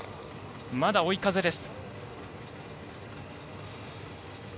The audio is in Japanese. まだ追い風です。